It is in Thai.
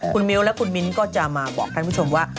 คุณมิ้วและคุณมิ้นก็จะมาบอกท่านผู้ชมว่า